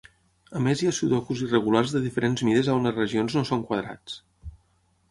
A més hi ha sudokus irregulars de diferents mides on les regions no són quadrats.